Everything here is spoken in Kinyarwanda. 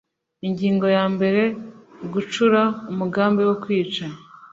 Ingingo ya mbere Gucura umugambi wo kwica